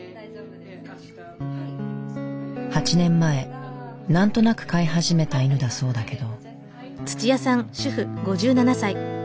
８年前何となく飼い始めた犬だそうだけど。